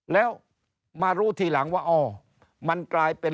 แล้วมารู้ทีหลังว่าอ๋อมันกลายเป็น